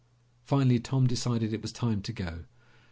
Finally Tom decided it was time to go.